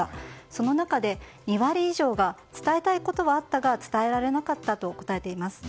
その中で、２割以上が伝えたいことはあったが伝えられなかったと答えています。